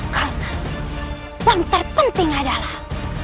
karena yang terpenting adalah